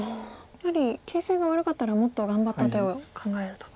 やはり形勢が悪かったらもっと頑張った手を考えると。